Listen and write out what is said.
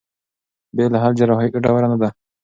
بې له حل جراحي ګټوره نه ده.